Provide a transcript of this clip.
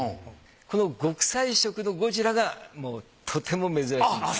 この極彩色のゴジラがとても珍しいんです。